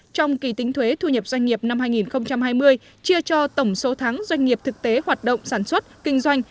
trong kỳ tính thuế thu nhập doanh nghiệp năm hai nghìn hai mươi chia cho tổng số tháng doanh nghiệp thực tế hoạt động sản xuất kinh doanh